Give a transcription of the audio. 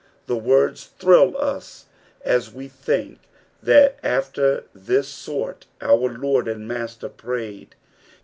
The words thrill us as wa think that after this sort our Lord and Master prayed.